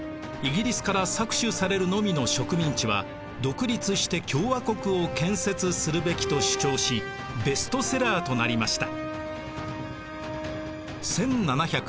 イギリスから搾取されるのみの植民地は独立して共和国を建設するべきと主張しベストセラーとなりました。